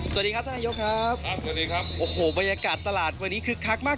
สวัสดีครับท่านนายกครับสวัสดีครับโอ้โหบรรยากาศตลาดวันนี้คึกคักมาก